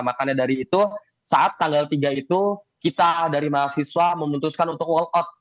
makanya dari itu saat tanggal tiga itu kita dari mahasiswa memutuskan untuk wall out